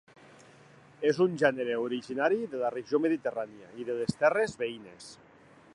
És un gènere originari de la regió mediterrània i de les terres veïnes.